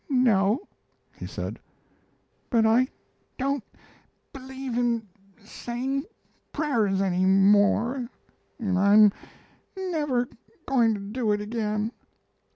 "No," he said, "but I don't believe in saying prayers any more, and I'm never going to do it again."